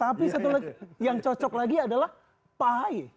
tapi satu lagi yang cocok lagi adalah pak ahy